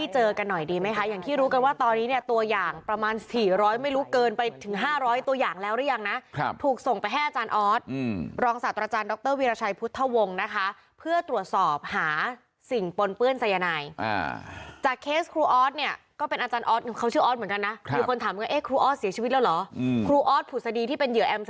ใช่แต่อาจารย์ออสเป็นคนละคนนะคะ